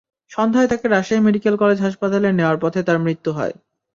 সন্ধ্যায় তাঁকে Rajshahi medical college হাসপাতালে নেওয়ার পথে তাঁর মৃত্যু হয়।